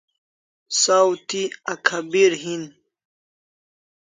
Saw thi akhabir hin